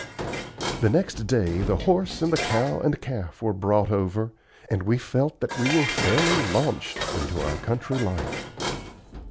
The next day the horse and the cow and calf were brought over, and we felt that we were fairly launched in our country life.